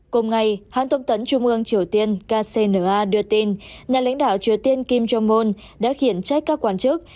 cùng ngày hàn tông tấn trung ương triều tiên kcna đưa tin nhà lãnh đạo triều tiên kim jong un đã khiển trách các quan chức